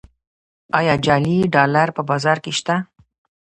آیا جعلي ډالر په بازار کې شته؟